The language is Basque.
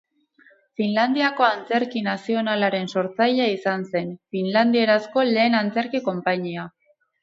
Finlandiako Antzerki Nazionalaren sortzailea izan zen, finlandierazko lehen antzerki konpainia.